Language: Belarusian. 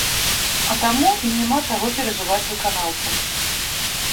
А таму і няма чаго перажываць выканаўцам.